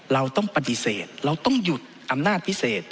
เราต้องปฏิเสธเราต้องหยุดอำนาจพิเศษ